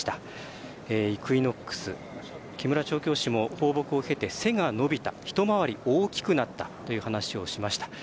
イクイノックス、木村調教師も背が伸びた、一回り大きくなったという話をしました。